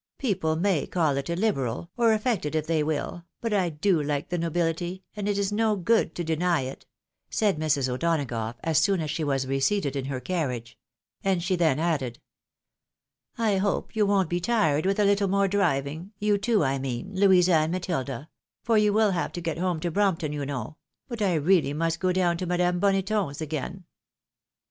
People may call it illiberal, or affected if they will, but I do like the nobility, and it is no good to deny it," said Mrs. O'Donagough as soon as she was re seated in her carriage ; and she then added, " I hope you won't be tired with a little more driving — you two I mean, Louisa and Matilda — for you will have to get home to Brompton, you know ; but I really must go down to Madame Boneton's again."